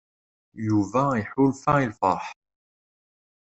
Yuba iḥulfa i lfeṛḥ.